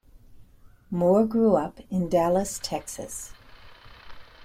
Moor grew up in Dallas, Texas.